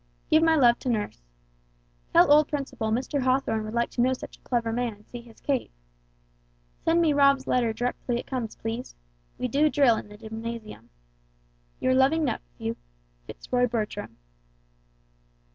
Give my love to nurse. Tell old Principle Mr. Hawthorn would like to know such a clever man and see his cave. Send me Rob's letter directly it comes, please. We do drill in the gymnasium. "Your loving nephew "FITZ ROY BERTRAM."